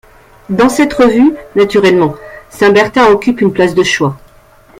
Dans cette revue, naturellement, Saint-Bertin occupe une place de choix.